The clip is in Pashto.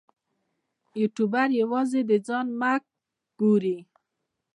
یوټوبر یوازې د ځان مه ګوري.